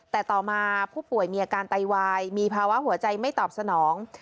แต่ต่อมาผู้ป่วยมีอาการไตวายมีภาวะหัวใจไม่ตอบสนอง